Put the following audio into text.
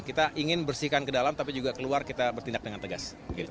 kita ingin bersihkan ke dalam tapi juga keluar kita bertindak dengan tegas